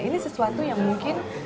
ini sesuatu yang mungkin